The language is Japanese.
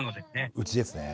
うちですね。